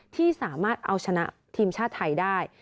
ที่สามารถเอาชนะทีมชาติไทยได้